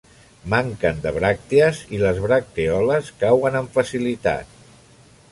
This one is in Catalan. Manquen de bràctees i les bractèoles cauen amb facilitat.